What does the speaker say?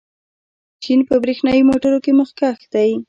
چین په برېښنايي موټرو کې مخکښ دی.